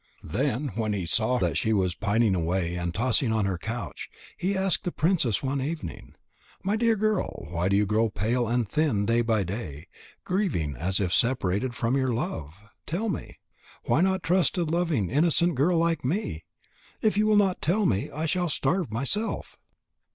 Then when he saw that she was pining away and tossing on her couch, he asked the princess one evening: "My dear girl, why do you grow pale and thin day by day, grieving as if separated from your love? Tell me. Why not trust a loving, innocent girl like me? If you will not tell me, I shall starve myself."